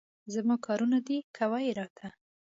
زما کارونه دي، کوه یې راته.